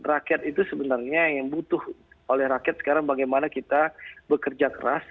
rakyat itu sebenarnya yang butuh oleh rakyat sekarang bagaimana kita bekerja keras